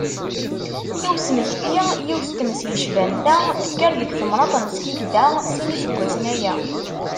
I usmekti, yiwet n tmes yecban ta, tekker deg temdint n Skikda sin n yiseggasen aya.